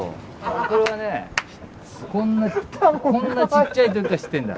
これはねこんなこんなちっちゃい時から知ってんだ。